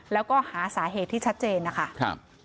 แล้วก็หาสาเหตุที่ชัดเจนนะคะ